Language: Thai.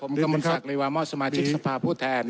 ผมกำวันซักรีวาร์มอสสำาชิกสภาพผู้แทน